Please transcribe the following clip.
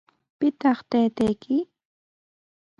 ¿Pitaq taytayki?